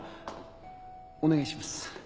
お願いします